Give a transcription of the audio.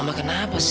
mama kenapa sih